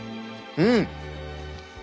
うん！